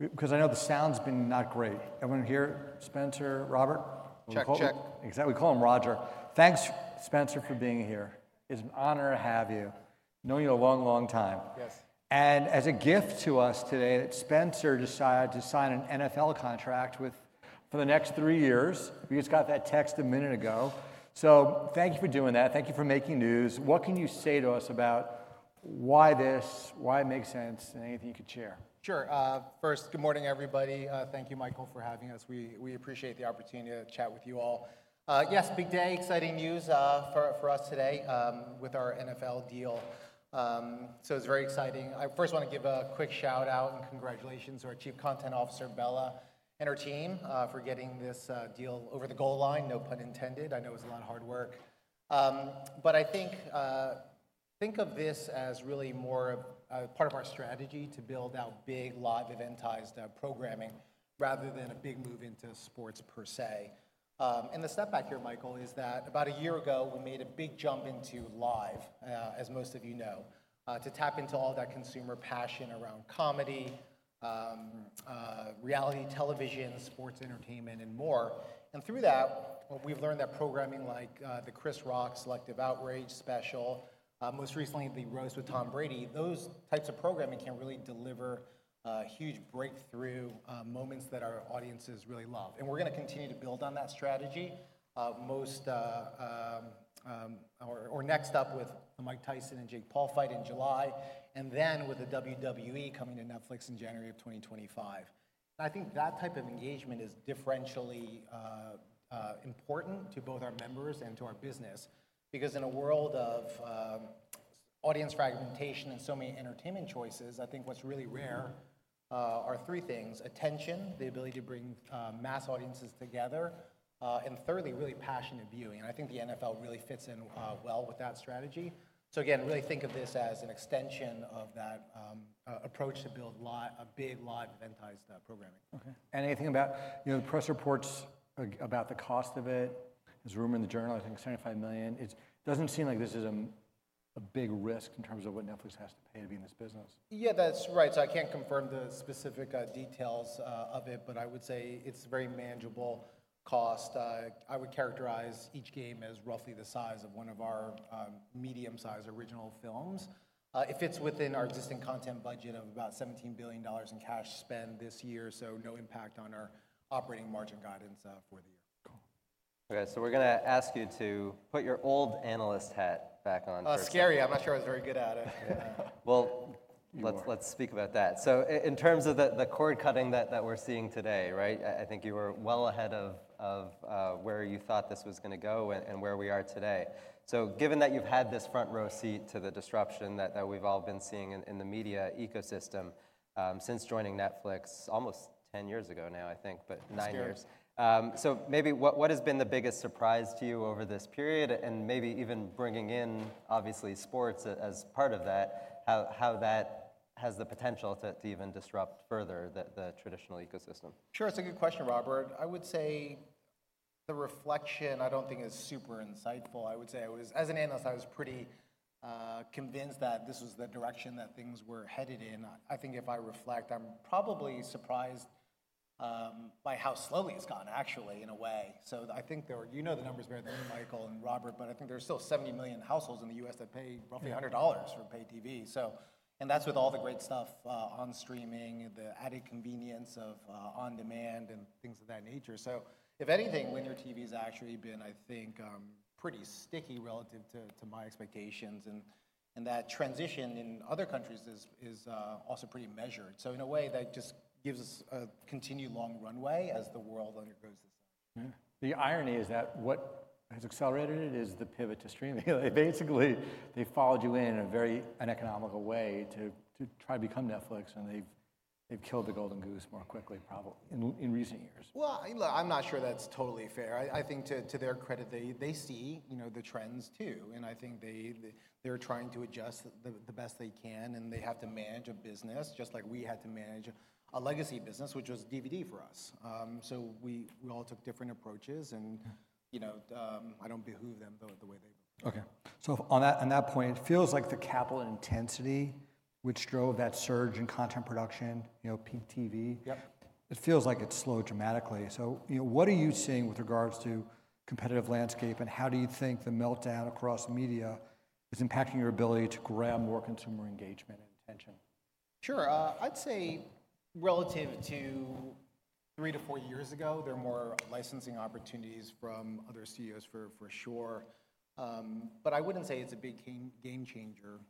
Because I know the sound's been not great. Everyone here? Spencer Neumann, Robert Fishman? Check, check. Exactly. We call him Roger. Thanks, Spencer Neumann, for being here. It's an honor to have you. Knowing you a long, long time. Yes. As a gift to us today that Spencer Neumann decided to sign an NFL contract with for the next three years. We just got that text a minute ago. Thank you for doing that. Thank you for making news. What can you say to us about why this, why it makes sense, and anything you could share? Sure. First, good morning, everybody. Thank you, Michael Morris, for having us. We appreciate the opportunity to chat with you all. Yes, big day, exciting news for us today with our NFL deal. So it's very exciting. I first want to give a quick shout-out and congratulations to our Chief Content Officer, Bela Bajaria, and her team for getting this deal over the goal line. No pun intended. I know it was a lot of hard work. But I think of this as really more of part of our strategy to build out big, live eventized programming rather than a big move into sports per se. And the step back here, Michael Morris, is that about a year ago, we made a big jump into live, as most of you know, to tap into all that consumer passion around comedy, reality television, sports entertainment, and more. And through that, we've learned that programming like the Chris Rock Selective Outrage special, most recently the Roast with Tom Brady, those types of programming can really deliver huge breakthrough moments that our audiences really love. And we're going to continue to build on that strategy. Our next up with the Mike Tyson and Jake Paul fight in July, and then with the WWE coming to Netflix in January of 2025. And I think that type of engagement is differentially important to both our members and to our business because in a world of audience fragmentation and so many entertainment choices, I think what's really rare are three things: attention, the ability to bring mass audiences together, and thirdly, really passionate viewing. And I think the NFL really fits in well with that strategy. So again, really think of this as an extension of that approach to build a big live eventized programming. Okay. Anything about the press reports about the cost of it? There's a rumor in the Journal, I think, $75 million. It doesn't seem like this is a big risk in terms of what Netflix has to pay to be in this business. Yeah, that's right. So I can't confirm the specific details of it, but I would say it's a very manageable cost. I would characterize each game as roughly the size of one of our medium-sized original films. It fits within our existing content budget of about $17 billion in cash spend this year, so no impact on our operating margin guidance for the year. Cool. Okay. So we're going to ask you to put your old analyst hat back on for a second. Scary. I'm not sure I was very good at it. Well, let's speak about that. So in terms of the cord cutting that we're seeing today, right, I think you were well ahead of where you thought this was going to go and where we are today. So given that you've had this front-row seat to the disruption that we've all been seeing in the media ecosystem since joining Netflix almost 10 years ago now, I think, but nine years. So maybe what has been the biggest surprise to you over this period? And maybe even bringing in, obviously, sports as part of that, how that has the potential to even disrupt further the traditional ecosystem? Sure. It's a good question, Robert Fishman. I would say the reflection I don't think is super insightful. I would say as an analyst, I was pretty convinced that this was the direction that things were headed in. I think if I reflect, I'm probably surprised by how slowly it's gone, actually, in a way. So I think there are you know the numbers better than me, Michael Morris, and Robert Fishman, but I think there are still 70 million households in the U.S. that pay roughly $100 for pay TV. And that's with all the great stuff on streaming, the added convenience of on-demand and things of that nature. So if anything, linear TV has actually been, I think, pretty sticky relative to my expectations. And that transition in other countries is also pretty measured. In a way, that just gives us a continued long runway as the world undergoes this change. The irony is that what has accelerated it is the pivot to streaming. Basically, they've followed you in a very uneconomical way to try to become Netflix, and they've killed the golden goose more quickly, probably, in recent years. Well, look, I'm not sure that's totally fair. I think to their credit, they see the trends, too. I think they're trying to adjust the best they can. They have to manage a business just like we had to manage a legacy business, which was DVD for us. So we all took different approaches. I don't behoove them, though, the way they behoove. Okay. So on that point, it feels like the capital intensity which drove that surge in content production, Peak TV, it feels like it's slowed dramatically. So what are you seeing with regards to competitive landscape? And how do you think the meltdown across media is impacting your ability to grab more consumer engagement and attention? Sure. I'd say relative to three-four years ago, there are more licensing opportunities from other CEOs, for sure. But I wouldn't say it's a big game changer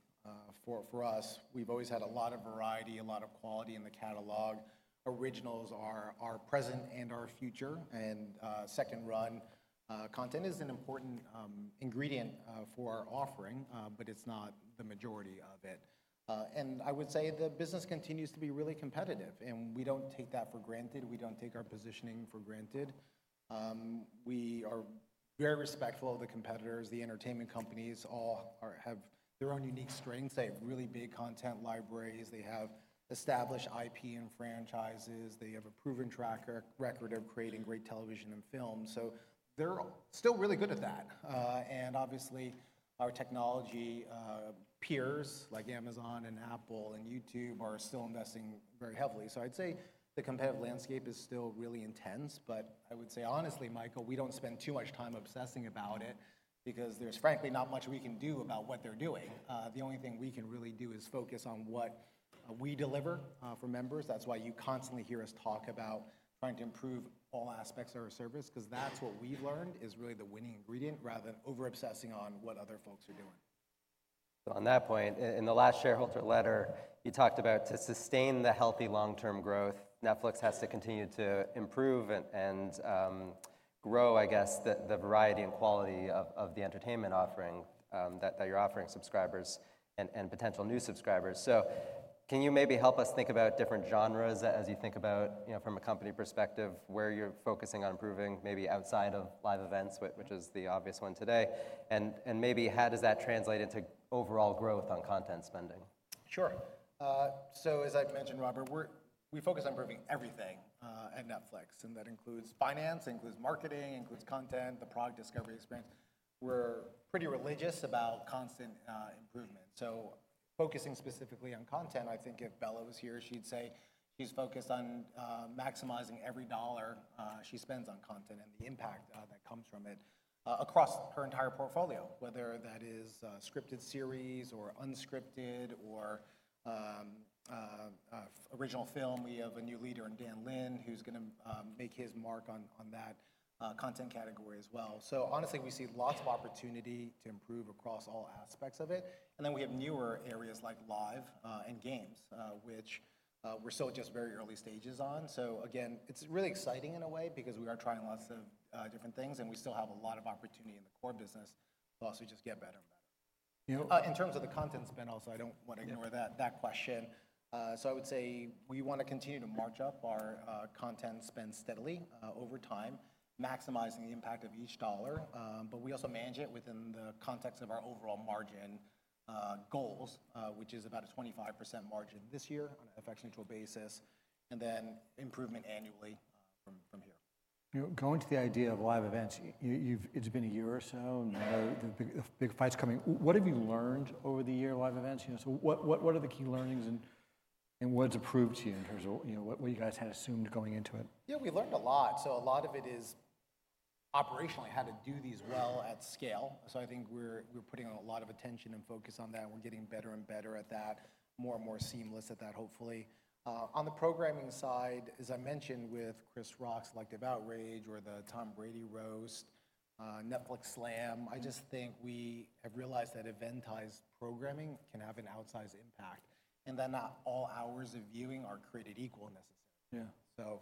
for us. We've always had a lot of variety, a lot of quality in the catalog. Originals are present and are future. And second-run content is an important ingredient for our offering, but it's not the majority of it. And I would say the business continues to be really competitive. And we don't take that for granted. We don't take our positioning for granted. We are very respectful of the competitors. The entertainment companies all have their own unique strengths. They have really big content libraries. They have established IP and franchises. They have a proven track record of creating great television and films. So they're still really good at that. Obviously, our technology peers like Amazon and Apple and YouTube are still investing very heavily. So I'd say the competitive landscape is still really intense. But I would say, honestly, Michael Morris, we don't spend too much time obsessing about it because there's, frankly, not much we can do about what they're doing. The only thing we can really do is focus on what we deliver for members. That's why you constantly hear us talk about trying to improve all aspects of our service because that's what we've learned is really the winning ingredient rather than over-obsessing on what other folks are doing. So on that point, in the last shareholder letter, you talked about to sustain the healthy long-term growth, Netflix has to continue to improve and grow, I guess, the variety and quality of the entertainment offering that you're offering subscribers and potential new subscribers. So can you maybe help us think about different genres as you think about, from a company perspective, where you're focusing on improving, maybe outside of live events, which is the obvious one today? And maybe how does that translate into overall growth on content spending? Sure. So as I mentioned, Robert Fishman, we focus on improving everything at Netflix. That includes finance, includes marketing, includes content, the product discovery experience. We're pretty religious about constant improvement. So focusing specifically on content, I think if Bela Bajaria was here, she'd say she's focused on maximizing every dollar she spends on content and the impact that comes from it across her entire portfolio, whether that is scripted series or unscripted or original film. We have a new leader, Dan Lin, who's going to make his mark on that content category as well. So honestly, we see lots of opportunity to improve across all aspects of it. Then we have newer areas like live and games, which we're still at just very early stages on. So again, it's really exciting in a way because we are trying lots of different things. We still have a lot of opportunity in the core business to also just get better and better. In terms of the content spend also, I don't want to ignore that question. I would say we want to continue to march up our content spend steadily over time, maximizing the impact of each dollar. But we also manage it within the context of our overall margin goals, which is about a 25% margin this year on an effective basis, and then improvement annually from here. Going to the idea of live events, it's been a year or so. The big fight's coming. What have you learned over the year live events? So what are the key learnings? What's proved to you in terms of what you guys had assumed going into it? Yeah, we learned a lot. So a lot of it is operationally how to do these well at scale. So I think we're putting a lot of attention and focus on that. And we're getting better and better at that, more and more seamless at that, hopefully. On the programming side, as I mentioned with Chris Rock's Selective Outrage or the Tom Brady Roast, Netflix Slam, I just think we have realized that eventized programming can have an outsized impact and that not all hours of viewing are created equal necessarily. So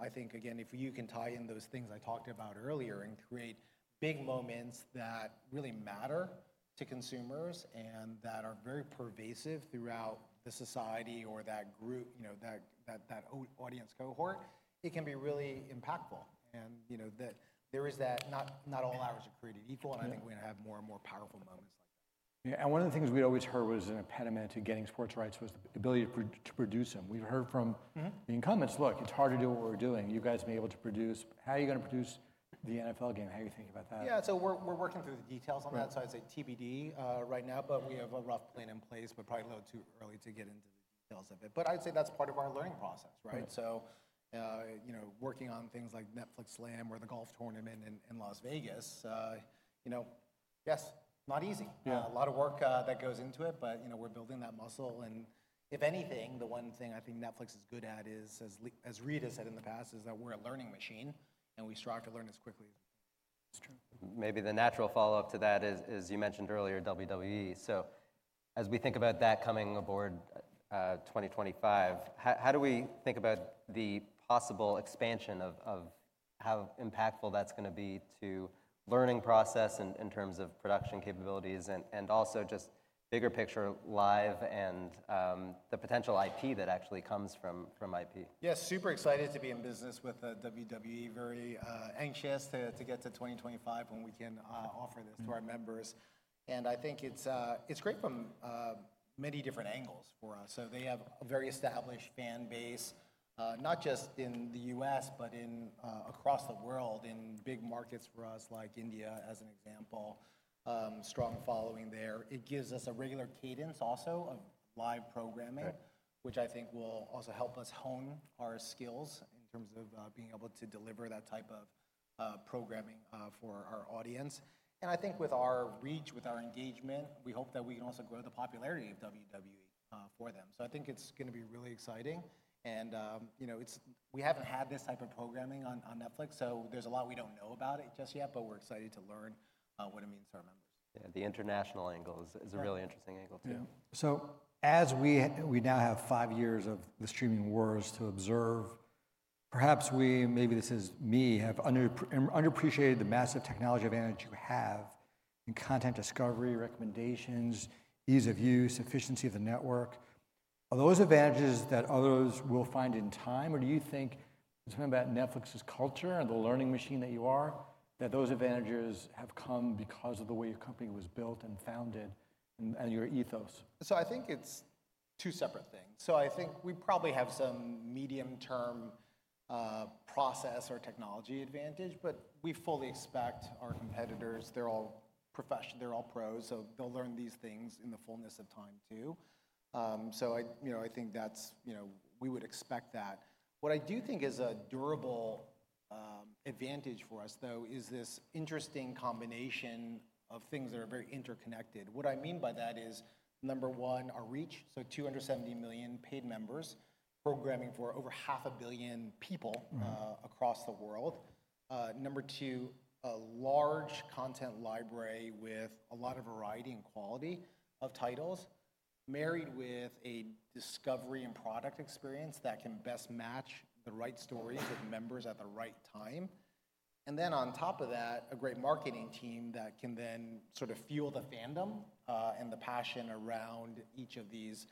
I think, again, if you can tie in those things I talked about earlier and create big moments that really matter to consumers and that are very pervasive throughout the society or that audience cohort, it can be really impactful. And there is that not all hours are created equal. I think we're going to have more and more powerful moments like that. Yeah. And one of the things we'd always heard was an impediment to getting sports rights was the ability to produce them. We've heard from the incumbents, "Look, it's hard to do what we're doing. You guys may be able to produce. How are you going to produce the NFL game? How are you thinking about that? Yeah. So we're working through the details on that. So I'd say TBD right now. But we have a rough plan in place. But probably a little too early to get into the details of it. But I'd say that's part of our learning process, right? So working on things like Netflix Slam or the golf tournament in Las Vegas, yes, not easy. A lot of work that goes into it. But we're building that muscle. And if anything, the one thing I think Netflix is good at is, as Reed Hastings has said in the past, is that we're a learning machine. And we strive to learn as quickly as we can. That's true. Maybe the natural follow-up to that is, as you mentioned earlier, WWE. So as we think about that coming aboard 2025, how do we think about the possible expansion of how impactful that's going to be to the learning process in terms of production capabilities and also just bigger picture, live, and the potential IP that actually comes from IP? Yeah, super excited to be in business with WWE. Very anxious to get to 2025 when we can offer this to our members. I think it's great from many different angles for us. They have a very established fan base, not just in the U.S. but across the world, in big markets for us like India, as an example, strong following there. It gives us a regular cadence also of live programming, which I think will also help us hone our skills in terms of being able to deliver that type of programming for our audience. I think with our reach, with our engagement, we hope that we can also grow the popularity of WWE for them. It's going to be really exciting. We haven't had this type of programming on Netflix. There's a lot we don't know about it just yet. But we're excited to learn what it means to our members. Yeah. The international angle is a really interesting angle, too. So as we now have five years of the streaming wars to observe, perhaps we, maybe this is me, have underappreciated the massive technology advantage you have in content discovery, recommendations, ease of use, efficiency of the network. Are those advantages that others will find in time? Or do you think it's something about Netflix's culture and the learning machine that you are, that those advantages have come because of the way your company was built and founded and your ethos? So I think it's two separate things. I think we probably have some medium-term process or technology advantage. But we fully expect our competitors, they're all pros. So they'll learn these things in the fullness of time, too. So I think that's we would expect that. What I do think is a durable advantage for us, though, is this interesting combination of things that are very interconnected. What I mean by that is, number one, our reach, so 270 million paid members, programming for over 500 million people across the world. Number two, a large content library with a lot of variety and quality of titles married with a discovery and product experience that can best match the right stories with members at the right time. And then on top of that, a great marketing team that can then sort of fuel the fandom and the passion around each of these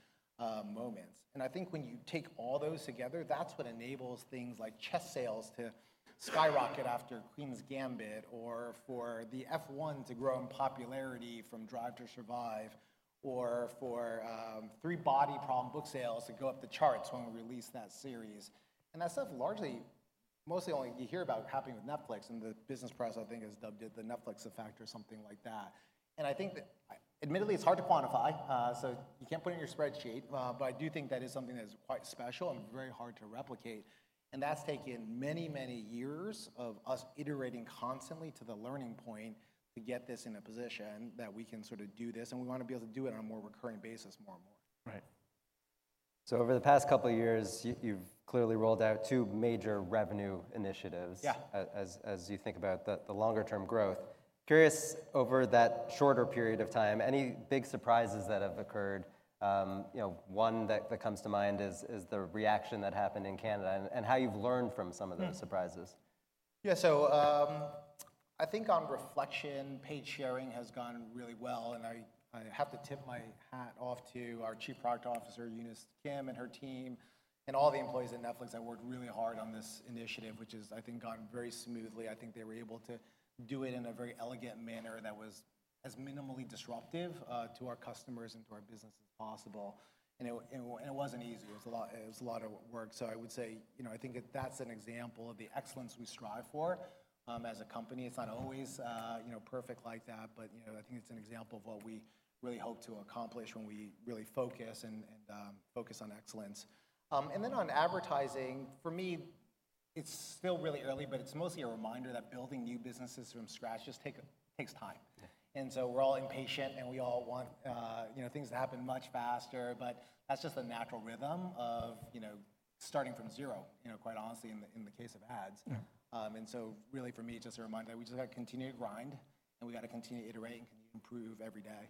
moments. And I think when you take all those together, that's what enables things like chess sales to skyrocket after Queen's Gambit or for the F1 to grow in popularity from Drive to Survive or for Three Body Problem book sales to go up the charts when we release that series. And that stuff largely, mostly only you hear about happening with Netflix. And the business press, I think, has dubbed it the Netflix effect or something like that. And I think that, admittedly, it's hard to quantify. So you can't put it in your spreadsheet. But I do think that is something that is quite special and very hard to replicate. That's taken many, many years of us iterating constantly to the learning point to get this in a position that we can sort of do this. We want to be able to do it on a more recurring basis more and more. Right. So over the past couple of years, you've clearly rolled out two major revenue initiatives as you think about the longer-term growth. Curious, over that shorter period of time, any big surprises that have occurred? One that comes to mind is the reaction that happened in Canada and how you've learned from some of those surprises. Yeah. So I think on reflection, paid sharing has gone really well. And I have to tip my hat off to our Chief Product Officer, Eunice Kim, and her team and all the employees at Netflix that worked really hard on this initiative, which has, I think, gone very smoothly. I think they were able to do it in a very elegant manner that was as minimally disruptive to our customers and to our business as possible. And it wasn't easy. It was a lot of work. So I would say I think that's an example of the excellence we strive for as a company. It's not always perfect like that. But I think it's an example of what we really hope to accomplish when we really focus and focus on excellence. And then on advertising, for me, it's still really early. But it's mostly a reminder that building new businesses from scratch just takes time. And so we're all impatient. And we all want things to happen much faster. But that's just the natural rhythm of starting from zero, quite honestly, in the case of ads. And so really, for me, it's just a reminder that we just got to continue to grind. And we got to continue to iterate and continue to improve every day.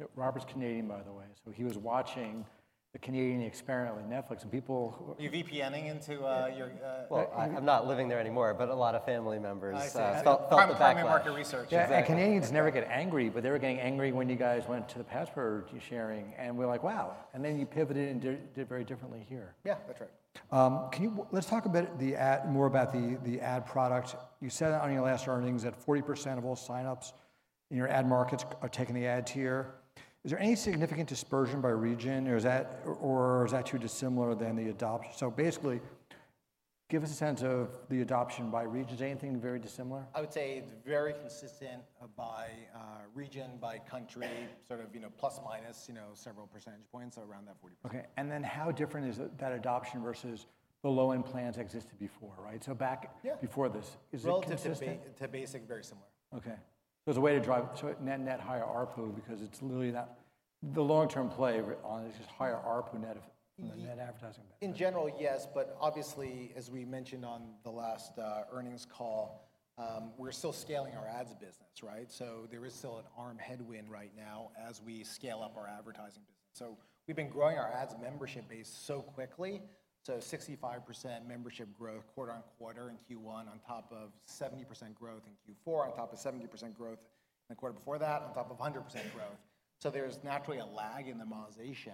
Yeah. Robert Fishman's Canadian, by the way. So he was watching the Canadian experiment on Netflix. And people. You're VPNing into your. Well, I'm not living there anymore. But a lot of family members felt the backlash. I'm coming back. I'm coming back. Market research. Yeah. Canadians never get angry. They were getting angry when you guys went to the password sharing. We're like, wow. Then you pivoted and did very differently here. Yeah, that's right. Let's talk a bit more about the ad product. You said on your last earnings that 40% of all signups in your ad markets are taking the ad tier. Is there any significant dispersion by region? Or is that too dissimilar than the adoption? So basically, give us a sense of the adoption by regions. Is anything very dissimilar? I would say it's very consistent by region, by country, sort of plus or minus several percentage points. So around that 40%. OK. Then how different is that adoption versus the low-end plans that existed before, right? Back before this, is it consistent? Relative to basic, very similar. OK. So it's a way to drive net higher ARPU because it's literally the long-term play on it is just higher ARPU net advertising benefit. In general, yes. But obviously, as we mentioned on the last earnings call, we're still scaling our ads business, right? So there is still an ARM headwind right now as we scale up our advertising business. So we've been growing our ads membership base so quickly, so 65% membership growth quarter-over-quarter in Q1 on top of 70% growth in Q4 on top of 70% growth in the quarter before that on top of 100% growth. So there's naturally a lag in the monetization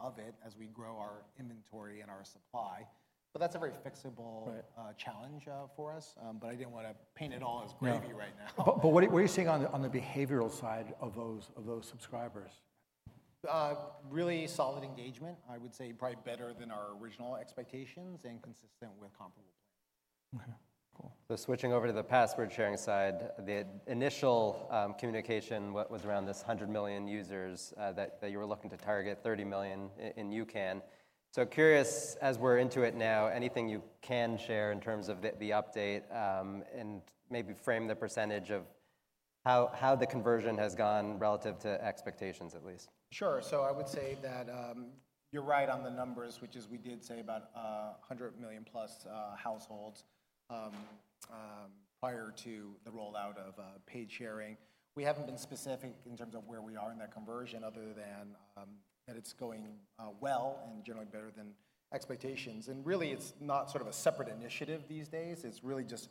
of it as we grow our inventory and our supply. But that's a very fixable challenge for us. But I didn't want to paint it all as gravy right now. What are you seeing on the behavioral side of those subscribers? Really solid engagement, I would say, probably better than our original expectations and consistent with comparable plans. OK. Cool. So switching over to the password sharing side, the initial communication was around this 100 million users that you were looking to target, 30 million in UCAN. So curious, as we're into it now, anything you can share in terms of the update and maybe frame the percentage of how the conversion has gone relative to expectations, at least? Sure. So I would say that you're right on the numbers, which is we did say about 100 million+ households prior to the rollout of paid sharing. We haven't been specific in terms of where we are in that conversion other than that it's going well and generally better than expectations. And really, it's not sort of a separate initiative these days. It's really just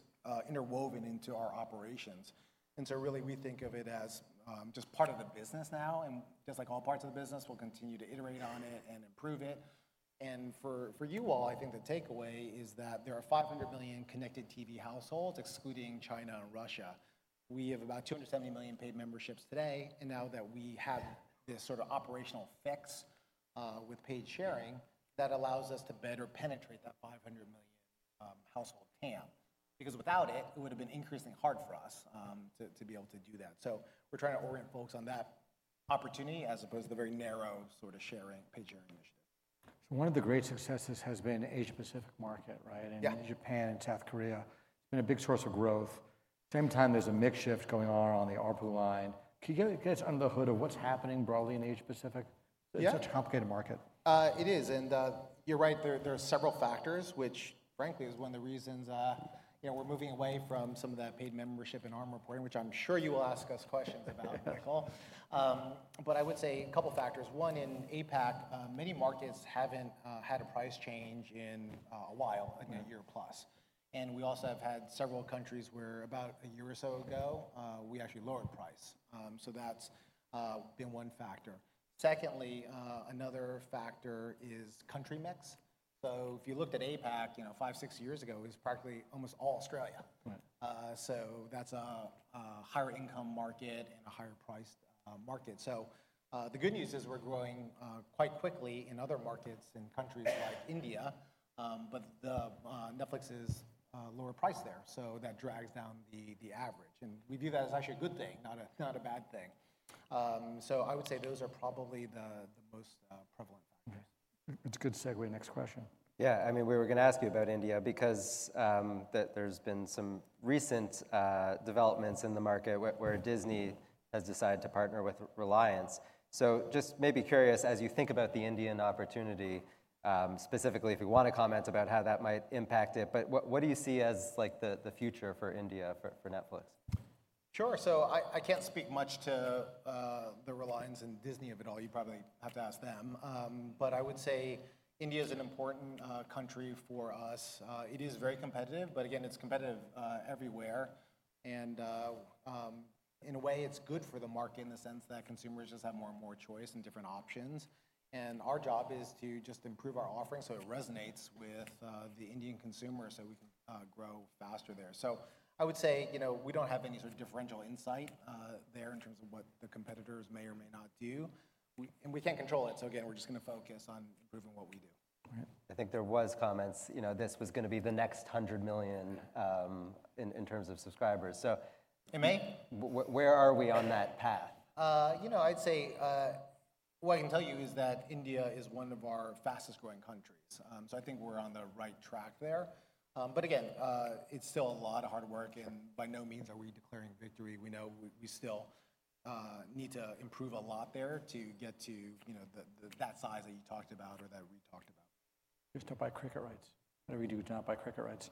interwoven into our operations. And so really, we think of it as just part of the business now. And just like all parts of the business, we'll continue to iterate on it and improve it. And for you all, I think the takeaway is that there are 500 million connected TV households, excluding China and Russia. We have about 270 million paid memberships today. Now that we have this sort of operational fix with paid sharing, that allows us to better penetrate that 500 million household TAM because without it, it would have been increasingly hard for us to be able to do that. We're trying to orient folks on that opportunity as opposed to the very narrow sort of paid sharing initiative. So one of the great successes has been Asia Pacific market, right, in Japan and South Korea. It's been a big source of growth. Same time, there's a mix shift going on on the ARPU line. Can you get us under the hood of what's happening broadly in Asia Pacific? It's such a complicated market. It is. And you're right. There are several factors, which, frankly, is one of the reasons we're moving away from some of that paid membership and ARM reporting, which I'm sure you will ask us questions about, Michael Morris. But I would say a couple of factors. One, in APAC, many markets haven't had a price change in a while, a year plus. And we also have had several countries where, about a year or so ago, we actually lowered price. So that's been one factor. Secondly, another factor is country mix. So if you looked at APAC five, six years ago, it was practically almost all Australia. So that's a higher-income market and a higher-priced market. So the good news is we're growing quite quickly in other markets in countries like India. But Netflix is lower priced there. So that drags down the average. We view that as actually a good thing, not a bad thing. I would say those are probably the most prevalent factors. It's a good segue. Next question. Yeah. I mean, we were going to ask you about India because there's been some recent developments in the market where Disney has decided to partner with Reliance. So just maybe curious, as you think about the Indian opportunity, specifically, if you want to comment about how that might impact it, but what do you see as the future for India, for Netflix? Sure. So I can't speak much to the Reliance and Disney of it all. You probably have to ask them. But I would say India is an important country for us. It is very competitive. But again, it's competitive everywhere. And in a way, it's good for the market in the sense that consumers just have more and more choice and different options. And our job is to just improve our offering so it resonates with the Indian consumer so we can grow faster there. So I would say we don't have any sort of differential insight there in terms of what the competitors may or may not do. And we can't control it. So again, we're just going to focus on improving what we do. I think there was comments this was going to be the next 100 million in terms of subscribers. So where are we on that path? You know, I'd say what I can tell you is that India is one of our fastest-growing countries. So I think we're on the right track there. But again, it's still a lot of hard work. And by no means are we declaring victory. We know we still need to improve a lot there to get to that size that you talked about or that we talked about. Just don't buy cricket rights. Whatever you do, do not buy cricket rights.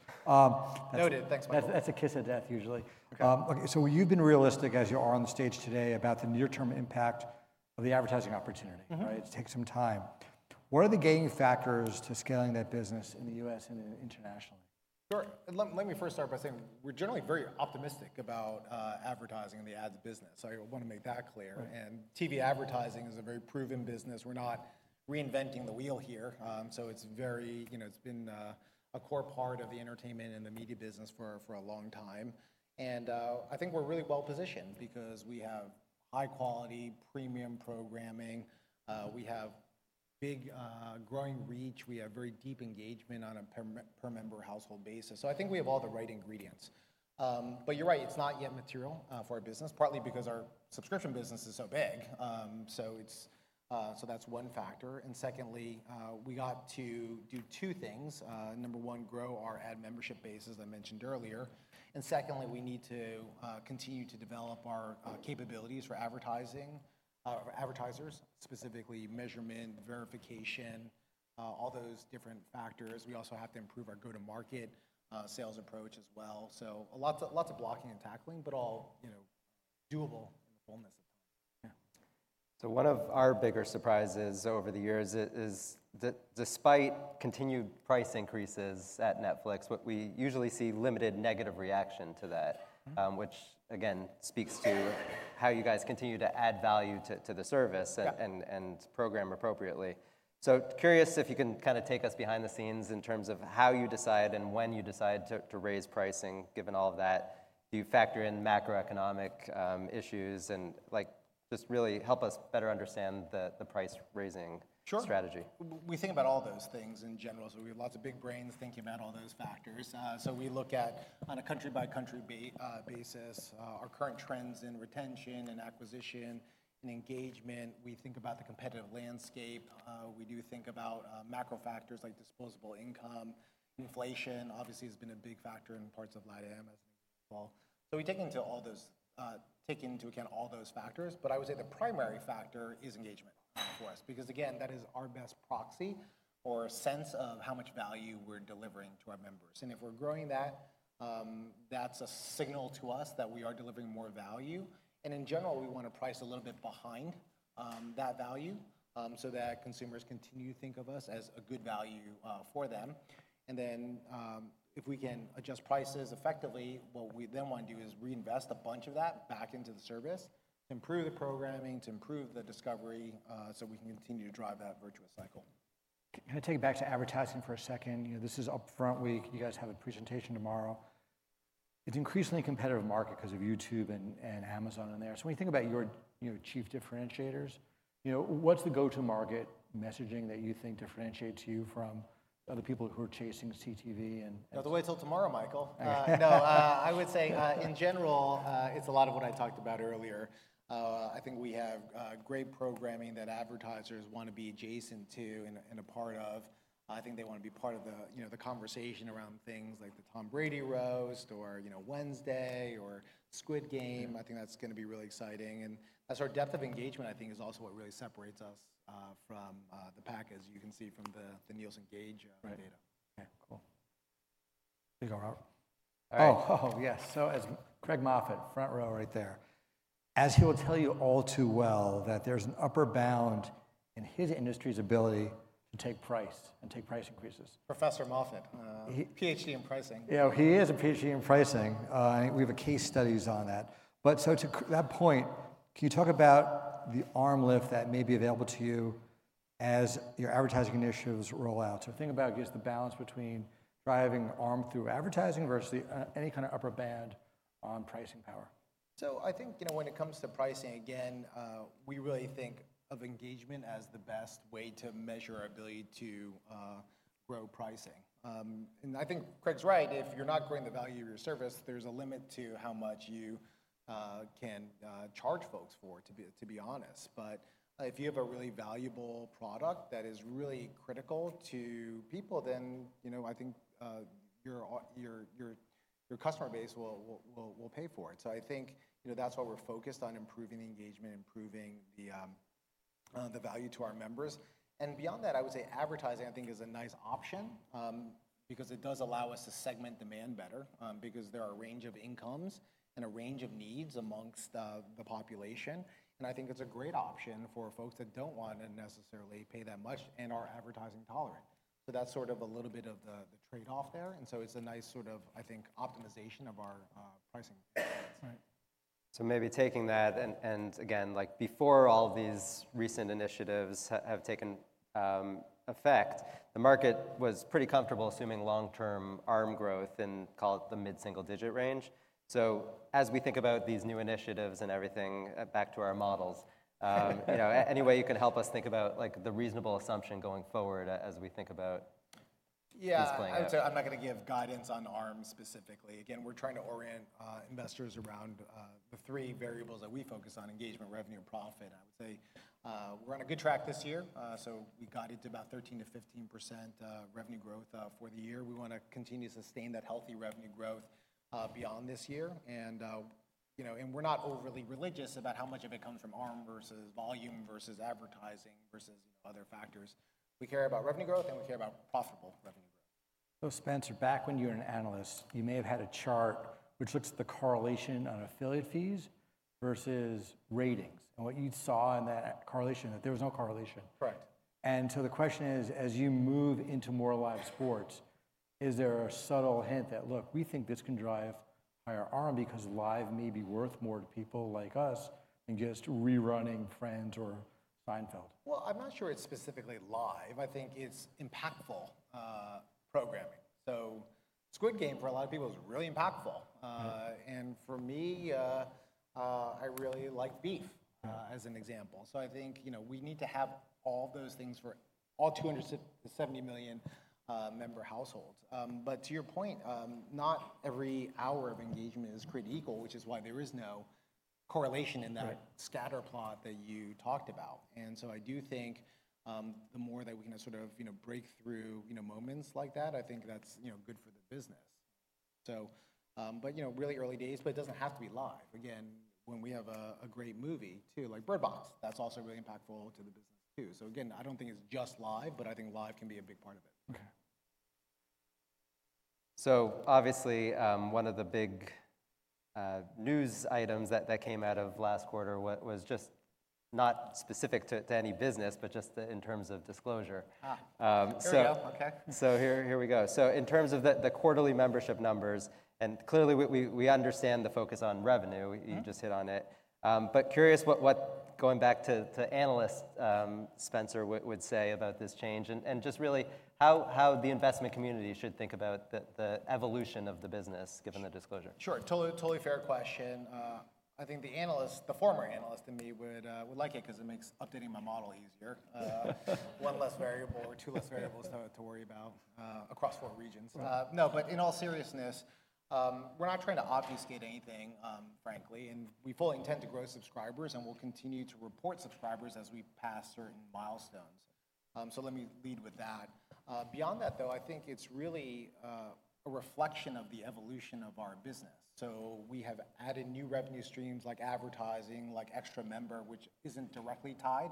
Noted. Thanks, Michael Morris. That's a kiss of death, usually. So you've been realistic, as you are on the stage today, about the near-term impact of the advertising opportunity, right? It takes some time. What are the gaining factors to scaling that business in the U.S. and internationally? Sure. Let me first start by saying we're generally very optimistic about advertising and the ads business. So I want to make that clear. TV advertising is a very proven business. We're not reinventing the wheel here. So it's been a core part of the entertainment and the media business for a long time. I think we're really well-positioned because we have high-quality, premium programming. We have big growing reach. We have very deep engagement on a per-member household basis. So I think we have all the right ingredients. But you're right. It's not yet material for our business, partly because our subscription business is so big. So that's one factor. Secondly, we got to do two things. Number one, grow our ad membership base, as I mentioned earlier. Secondly, we need to continue to develop our capabilities for advertising, advertisers, specifically measurement, verification, all those different factors. We also have to improve our go-to-market sales approach as well. Lots of blocking and tackling, but all doable in the fullness of time. So one of our bigger surprises over the years is, despite continued price increases at Netflix, what we usually see is limited negative reaction to that, which, again, speaks to how you guys continue to add value to the service and program appropriately. So curious if you can kind of take us behind the scenes in terms of how you decide and when you decide to raise pricing, given all of that? Do you factor in macroeconomic issues and just really help us better understand the price-raising strategy? Sure. We think about all those things in general. So we have lots of big brains thinking about all those factors. So we look at, on a country-by-country basis, our current trends in retention and acquisition and engagement. We think about the competitive landscape. We do think about macro factors like disposable income. Inflation, obviously, has been a big factor in parts of LATAM, as an example. So we take into account all those factors. But I would say the primary factor is engagement for us because, again, that is our best proxy or sense of how much value we're delivering to our members. And if we're growing that, that's a signal to us that we are delivering more value. And in general, we want to price a little bit behind that value so that consumers continue to think of us as a good value for them. And then if we can adjust prices effectively, what we then want to do is reinvest a bunch of that back into the service to improve the programming, to improve the discovery so we can continue to drive that virtuous cycle. Kind of take it back to advertising for a second. This is Upfront. You guys have a presentation tomorrow. It's an increasingly competitive market because of YouTube and Amazon in there. So when you think about your chief differentiators, what's the go-to-market messaging that you think differentiates you from other people who are chasing CTV and. No other way until tomorrow, Michael Morris. No, I would say, in general, it's a lot of what I talked about earlier. I think we have great programming that advertisers want to be adjacent to and a part of. I think they want to be part of the conversation around things like the Tom Brady Roast or Wednesday or Squid Game. I think that's going to be really exciting. That's our depth of engagement, I think, is also what really separates us from the pack, as you can see from the Nielsen Gauge data. So as Craig Moffett, front row right there, as he will tell you all too well, that there's an upper bound in his industry's ability to take price and take price increases. Professor Craig Moffett, Ph.D. in pricing. Yeah, he is a Ph.D. in pricing. We have case studies on that. To that point, can you talk about the ARM lift that may be available to you as your advertising initiatives roll out? Think about just the balance between driving ARM through advertising versus any kind of upper band on pricing power. So I think when it comes to pricing, again, we really think of engagement as the best way to measure our ability to grow pricing. And I think Craig Moffett right. If you're not growing the value of your service, there's a limit to how much you can charge folks for, to be honest. But if you have a really valuable product that is really critical to people, then I think your customer base will pay for it. So I think that's why we're focused on improving the engagement, improving the value to our members. And beyond that, I would say advertising, I think, is a nice option because it does allow us to segment demand better because there are a range of incomes and a range of needs among the population. I think it's a great option for folks that don't want to necessarily pay that much and are advertising tolerant. So that's sort of a little bit of the trade-off there. And so it's a nice sort of, I think, optimization of our pricing. So maybe taking that and, again, before all of these recent initiatives have taken effect, the market was pretty comfortable assuming long-term ARM growth and call it the mid-single-digit range. So as we think about these new initiatives and everything, back to our models, any way you can help us think about the reasonable assumption going forward as we think about this playing out? Yeah. I would say I'm not going to give guidance on ARM specifically. Again, we're trying to orient investors around the three variables that we focus on: engagement, revenue, and profit. And I would say we're on a good track this year. So we got it to about 13%-15% revenue growth for the year. We want to continue to sustain that healthy revenue growth beyond this year. And we're not overly religious about how much of it comes from ARM versus volume versus advertising versus other factors. We care about revenue growth. And we care about profitable revenue growth. Spencer Neumann, back when you were an analyst, you may have had a chart which looks at the correlation on affiliate fees versus ratings. What you saw in that correlation, there was no correlation. Correct. And so the question is, as you move into more live sports, is there a subtle hint that, look, we think this can drive higher ARM because live may be worth more to people like us than just rerunning Friends or Seinfeld? Well, I'm not sure it's specifically live. I think it's impactful programming. So Squid Game, for a lot of people, is really impactful. And for me, I really like Beef as an example. So I think we need to have all those things for all 270 million member households. But to your point, not every hour of engagement is created equal, which is why there is no correlation in that scatter plot that you talked about. And so I do think the more that we can sort of break through moments like that, I think that's good for the business. So, but really early days. But it doesn't have to be live. Again, when we have a great movie, too, like Bird Box, that's also really impactful to the business, too. So again, I don't think it's just live. But I think live can be a big part of it. Obviously, one of the big news items that came out of last quarter was just not specific to any business, but just in terms of disclosure. There we go. OK. So here we go. So in terms of the quarterly membership numbers, and clearly, we understand the focus on revenue. You just hit on it. But curious what, going back to analysts, Spencer Neumann would say about this change and just really how the investment community should think about the evolution of the business, given the disclosure? Sure. Totally fair question. I think the analyst, the former analyst in me, would like it because it makes updating my model easier. One less variable or two less variables to worry about across four regions. No, but in all seriousness, we're not trying to obfuscate anything, frankly. And we fully intend to grow subscribers. And we'll continue to report subscribers as we pass certain milestones. So let me lead with that. Beyond that, though, I think it's really a reflection of the evolution of our business. So we have added new revenue streams like advertising, like extra member, which isn't directly tied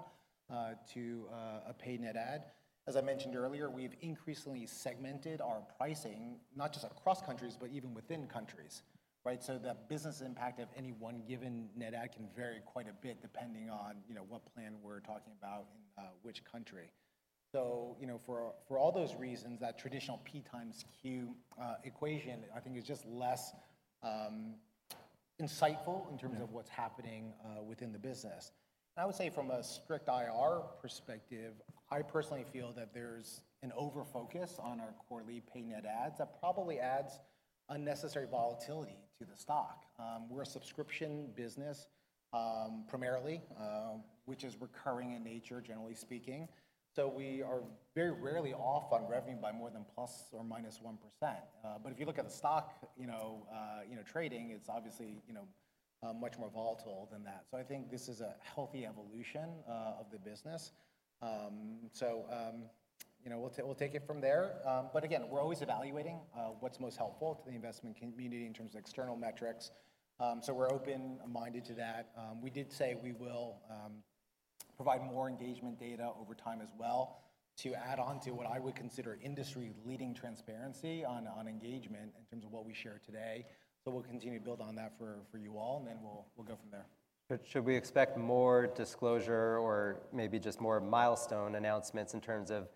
to a paid net add. As I mentioned earlier, we've increasingly segmented our pricing, not just across countries, but even within countries, right? So the business impact of any one given net add can vary quite a bit depending on what plan we're talking about in which country. So for all those reasons, that traditional PxQ equation, I think, is just less insightful in terms of what's happening within the business. And I would say, from a strict IR perspective, I personally feel that there's an overfocus on our quarterly paid net adds that probably adds unnecessary volatility to the stock. We're a subscription business primarily, which is recurring in nature, generally speaking. So we are very rarely off on revenue by more than ±1%. But if you look at the stock trading, it's obviously much more volatile than that. So I think this is a healthy evolution of the business. So we'll take it from there. But again, we're always evaluating what's most helpful to the investment community in terms of external metrics. So we're open-minded to that. We did say we will provide more engagement data over time as well to add on to what I would consider industry-leading transparency on engagement in terms of what we share today. So we'll continue to build on that for you all. And then we'll go from there. Should we expect more disclosure or maybe just more milestone announcements in terms of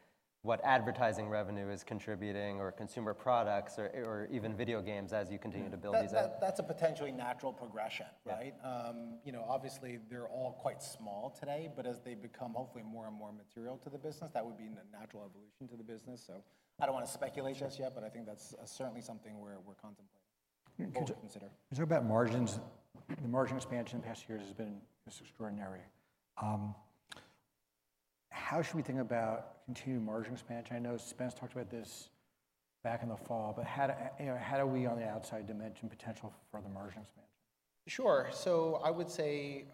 what advertising revenue is contributing or consumer products or even video games as you continue to build these out? That's a potentially natural progression, right? Obviously, they're all quite small today. But as they become hopefully more and more material to the business, that would be a natural evolution to the business. So I don't want to speculate just yet. But I think that's certainly something we're contemplating to consider. Is there about margins? The margin expansion in the past years has been just extraordinary. How should we think about continued margin expansion? I know Spence talked about this back in the fall. But how do we, on the outside dimension, potential for the margin expansion? Sure. So I would say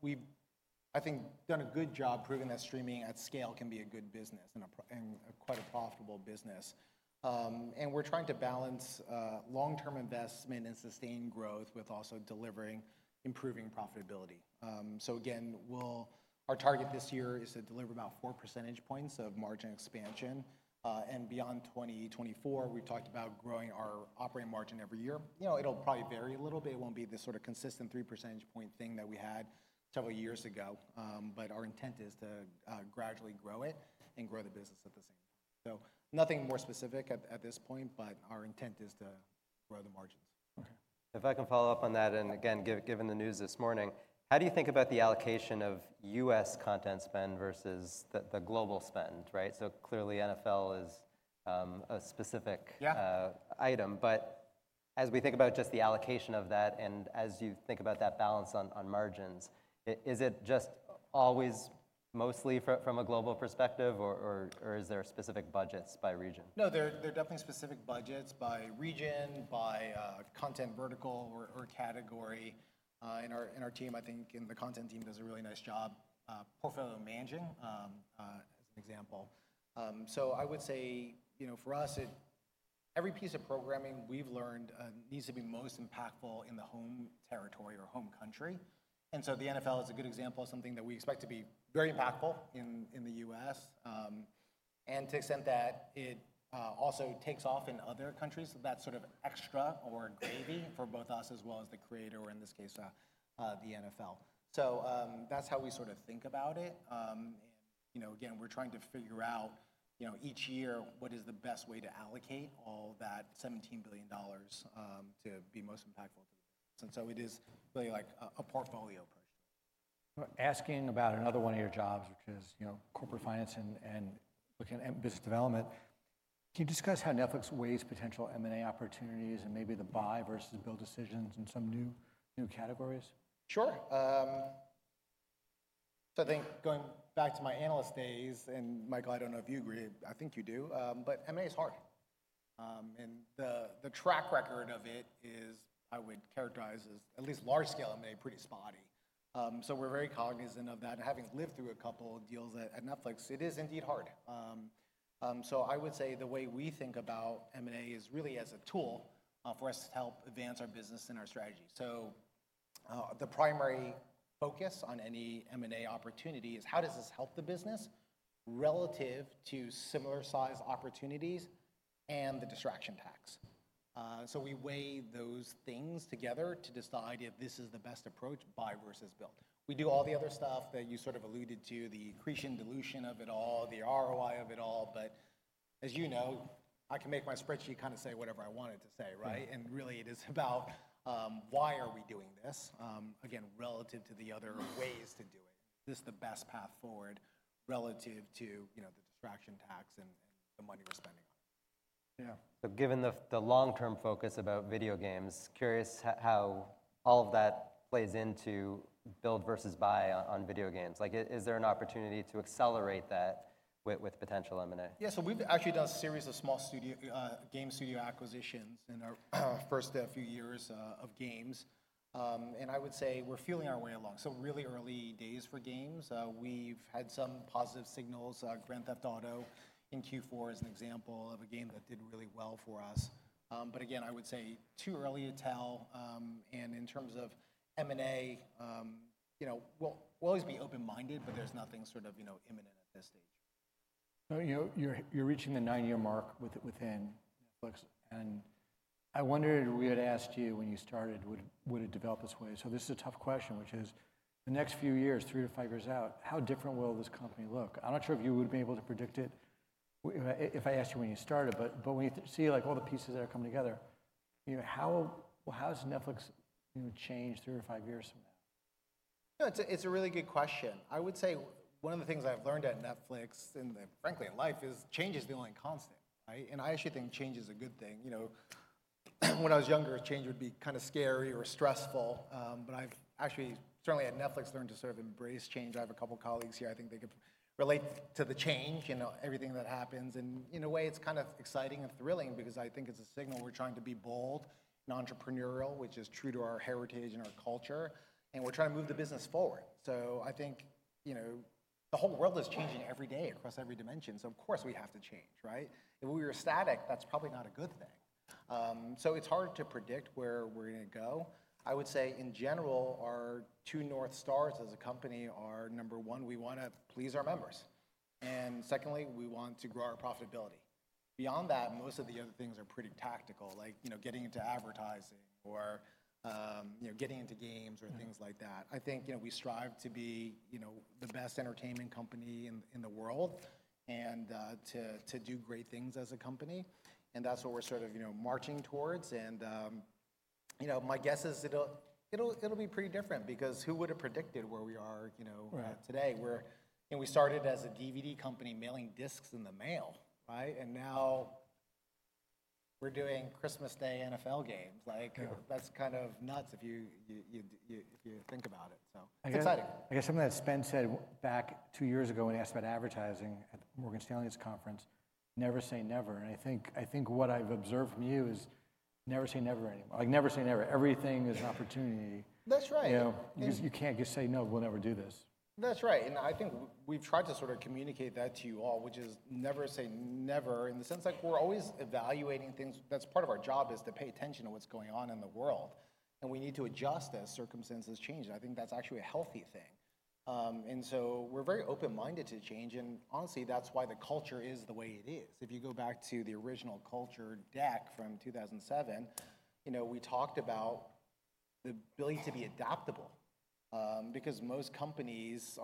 we've, I think, done a good job proving that streaming at scale can be a good business and quite a profitable business. We're trying to balance long-term investment and sustained growth with also delivering improving profitability. So again, our target this year is to deliver about four percentage points of margin expansion. Beyond 2024, we've talked about growing our operating margin every year. It'll probably vary a little. But it won't be this sort of consistent three percentage point thing that we had several years ago. Our intent is to gradually grow it and grow the business at the same time. So nothing more specific at this point. But our intent is to grow the margins. If I can follow up on that and, again, given the news this morning, how do you think about the allocation of U.S. content spend versus the global spend, right? So clearly, NFL is a specific item. But as we think about just the allocation of that and as you think about that balance on margins, is it just always mostly from a global perspective? Or is there specific budgets by region? No, there are definitely specific budgets by region, by content vertical, or category. Our team, I think, and the content team does a really nice job portfolio managing, as an example. I would say, for us, every piece of programming we've learned needs to be most impactful in the home territory or home country. The NFL is a good example of something that we expect to be very impactful in the U.S.. To the extent that it also takes off in other countries, that's sort of extra or gravy for both us as well as the creator or, in this case, the NFL. That's how we sort of think about it. We're trying to figure out each year what is the best way to allocate all that $17 billion to be most impactful to the business. And so it is really like a portfolio approach to it. Asking about another one of your jobs, which is corporate finance and business development, can you discuss how Netflix weighs potential M&A opportunities and maybe the buy versus build decisions in some new categories? Sure. So I think going back to my analyst days and, Michael Morris, I don't know if you agree. I think you do. But M&A is hard. And the track record of it is, I would characterize as, at least large-scale M&A, pretty spotty. So we're very cognizant of that. And having lived through a couple of deals at Netflix, it is indeed hard. So I would say the way we think about M&A is really as a tool for us to help advance our business and our strategy. So the primary focus on any M&A opportunity is, how does this help the business relative to similar-sized opportunities and the distraction tax? So we weigh those things together to decide if this is the best approach, buy versus build. We do all the other stuff that you sort of alluded to, the accretion-dilution of it all, the ROI of it all. But as you know, I can make my spreadsheet kind of say whatever I want it to say, right? And really, it is about, why are we doing this, again, relative to the other ways to do it? Is this the best path forward relative to the distraction tax and the money we're spending on it? Yeah. So given the long-term focus about video games, curious how all of that plays into build versus buy on video games. Is there an opportunity to accelerate that with potential M&A? Yeah. So we've actually done a series of small game studio acquisitions in our first few years of games. And I would say we're feeling our way along. So really early days for games, we've had some positive signals. Grand Theft Auto in Q4 is an example of a game that did really well for us. But again, I would say too early to tell. And in terms of M&A, we'll always be open-minded. But there's nothing sort of imminent at this stage. You're reaching the nine-year mark within Netflix. I wondered if we had asked you when you started, would it develop this way? This is a tough question, which is, the next few years, three-five years out, how different will this company look? I'm not sure if you would be able to predict it if I asked you when you started. When you see all the pieces that are coming together, how has Netflix changed three or five years from now? It's a really good question. I would say one of the things I've learned at Netflix and, frankly, in life is change is the only constant, right? And I actually think change is a good thing. When I was younger, change would be kind of scary or stressful. But I've actually certainly at Netflix learned to sort of embrace change. I have a couple of colleagues here. I think they could relate to the change and everything that happens. And in a way, it's kind of exciting and thrilling because I think it's a signal we're trying to be bold and entrepreneurial, which is true to our heritage and our culture. And we're trying to move the business forward. So I think the whole world is changing every day across every dimension. So of course, we have to change, right? If we were static, that's probably not a good thing. It's hard to predict where we're going to go. I would say, in general, our two North Stars as a company are, number one, we want to please our members. And secondly, we want to grow our profitability. Beyond that, most of the other things are pretty tactical, like getting into advertising or getting into games or things like that. I think we strive to be the best entertainment company in the world and to do great things as a company. And that's what we're sort of marching towards. And my guess is it'll be pretty different because who would have predicted where we are today? We started as a DVD company mailing disks in the mail, right? And now we're doing Christmas Day NFL games. That's kind of nuts if you think about it. So exciting. I guess something that Spencer Neumann said back two years ago when he asked about advertising at Morgan Stanley's conference, never say never. I think what I've observed from you is never say never anymore. Never say never. Everything is an opportunity. That's right. Because you can't just say, no, we'll never do this. That's right. And I think we've tried to sort of communicate that to you all, which is never say never in the sense that we're always evaluating things. That's part of our job is to pay attention to what's going on in the world. And we need to adjust as circumstances change. And I think that's actually a healthy thing. And so we're very open-minded to change. And honestly, that's why the culture is the way it is. If you go back to the original culture deck from 2007, we talked about the ability to be adaptable because most companies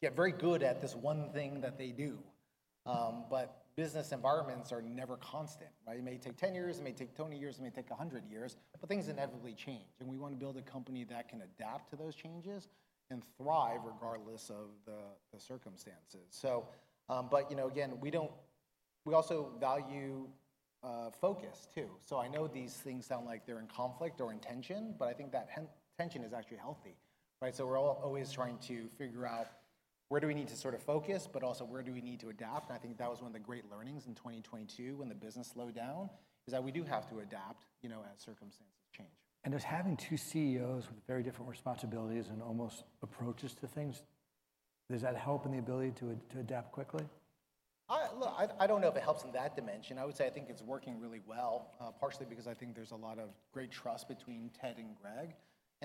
get very good at this one thing that they do. But business environments are never constant, right? It may take 10 years. It may take 20 years. It may take 100 years. But things inevitably change. We want to build a company that can adapt to those changes and thrive regardless of the circumstances. But again, we also value focus too. So I know these things sound like they're in conflict or intention. But I think that tension is actually healthy, right? So we're always trying to figure out, where do we need to sort of focus? But also, where do we need to adapt? And I think that was one of the great learnings in 2022 when the business slowed down is that we do have to adapt as circumstances change. Just having two CEOs with very different responsibilities and almost approaches to things, does that help in the ability to adapt quickly? Look, I don't know if it helps in that dimension. I would say I think it's working really well, partially because I think there's a lot of great trust between Ted Sarandos and Greg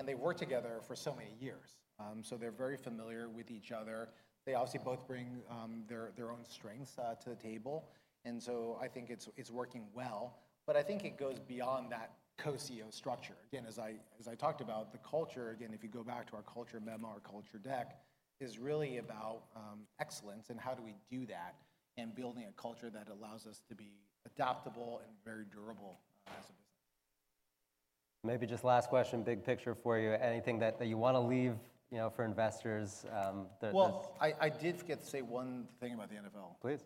Peters. And they worked together for so many years. So they're very familiar with each other. They obviously both bring their own strengths to the table. And so I think it's working well. But I think it goes beyond that co-CEO structure. Again, as I talked about, the culture, again, if you go back to our culture memo, our culture deck, is really about excellence and how do we do that and building a culture that allows us to be adaptable and very durable as a business. Maybe just last question, big picture for you, anything that you want to leave for investors? Well, I did get to say one thing about the NFL. Please.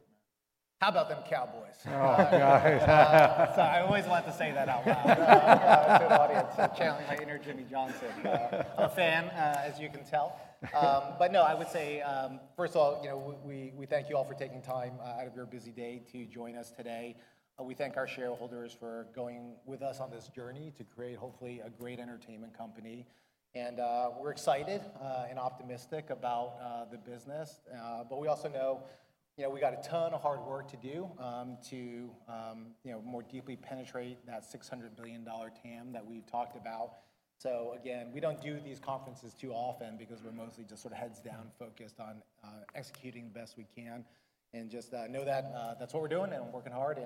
How about them Cowboys? Oh, gosh. So I always want to say that out loud. Yeah, it's an audience channeling my inner Jimmy Johnson. I'm a fan, as you can tell. But no, I would say, first of all, we thank you all for taking time out of your busy day to join us today. We thank our shareholders for going with us on this journey to create, hopefully, a great entertainment company. And we're excited and optimistic about the business. But we also know we've got a ton of hard work to do to more deeply penetrate that $600 billion TAM that we've talked about. So again, we don't do these conferences too often because we're mostly just sort of heads down focused on executing the best we can. And just know that that's what we're doing. And we're working hard.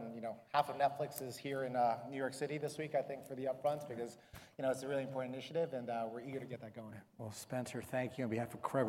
Half of Netflix is here in New York City this week, I think, for the Upfront because it's a really important initiative. And we're eager to get that going. Well, Spencer Neumann, thank you on behalf of.